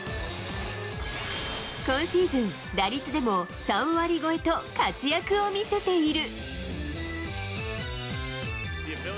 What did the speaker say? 今シーズン、打率でも３割超えと活躍を見せている。